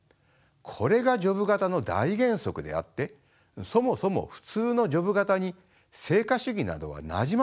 これがジョブ型の大原則であってそもそも普通のジョブ型に成果主義などはなじまないのです。